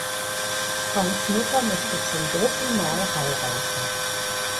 Franks Mutter möchte zum dritten Mal heiraten.